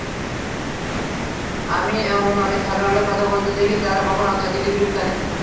আমি এমন অনেক খেলোয়াড়কে কথা বলতে দেখি, যারা কখনো আন্তর্জাতিক ক্রিকেট খেলেনি।